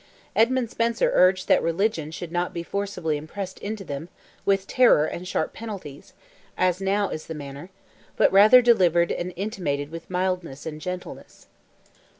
Edmund Spenser urged that "religion should not be forcibly impressed into them with terror and sharp penalties, as now is the manner, but rather delivered and intimated with mildness and gentleness."